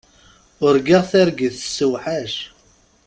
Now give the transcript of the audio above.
Urgaɣ targit tessewḥac.